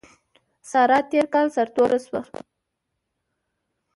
سارا تېر کال سر توره شوه.